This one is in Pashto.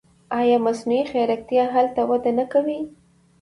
آیا مصنوعي ځیرکتیا هلته وده نه کوي؟